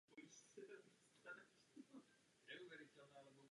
Snad i mimozemského původu.